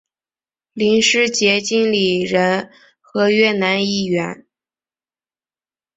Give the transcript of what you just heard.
林师杰经理人合约男艺员。